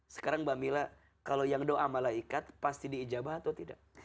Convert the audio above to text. sekarang mbak mila kalau yang doa malaikat pasti diijabah atau tidak